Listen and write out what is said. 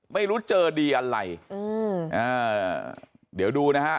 ไม่รู้เจอดีอะไรอืมอ่าเดี๋ยวดูนะฮะ